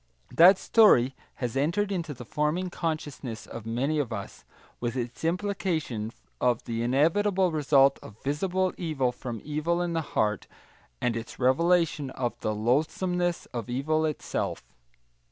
That story has entered into the forming consciousness of many of us, with its implications of the inevitable result of visible evil from evil in the heart, and its revelation of the loathsomeness of evil itself.